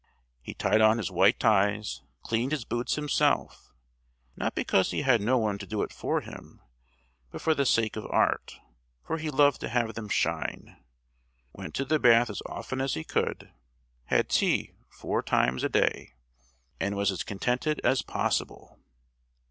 He tied on his white ties, cleaned his boots himself (not because he had no one to do it for him, but for the sake of art, for he loved to have them shine), went to the bath as often as he could, had tea four times a day, and was as contented as possible.